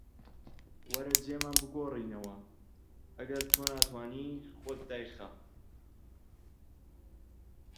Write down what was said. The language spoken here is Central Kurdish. وەرە جێمان بگۆڕینەوە، ئەگەر تۆ توانیت خۆت دایخە